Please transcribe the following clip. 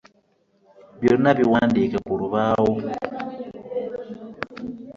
Byonna biwandiike ku lubaawo.